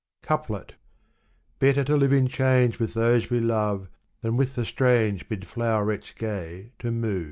Couplef. Better to live in chains with those we love, Than with the strange mid flowerets gay to move.